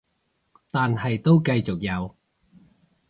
但係都繼續有